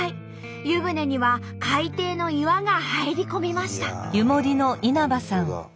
湯船には海底の岩が入り込みました。